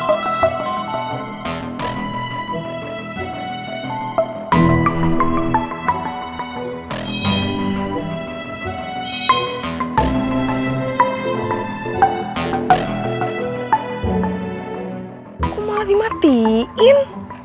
kok malah dimatiin